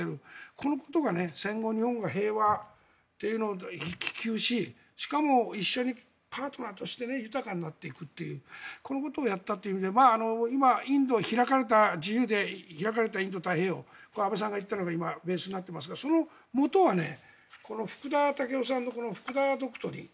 このことが戦後、日本が平和というのを希求ししかも一緒にパートナーとして豊かになっていくというこのことをやったという意味で今、インド自由で開かれたインド太平洋安倍さんが言ったのがベースになっていますがそのもとはこの福田赳夫さんの福田ドクトリン。